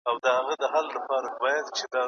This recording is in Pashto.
پنجشنبه د اونۍ وروستۍ کاري ورځ ده.